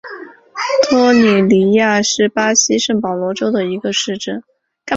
托里尼亚是巴西圣保罗州的一个市镇。